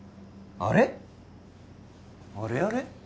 あれあれ？